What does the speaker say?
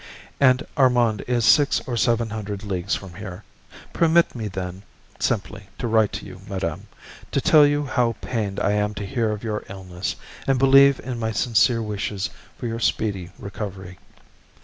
and Armand is six or seven hundred leagues from here; permit me, then, simply to write to you, madame, to tell you how pained I am to hear of your illness, and believe in my sincere wishes for your speedy recovery.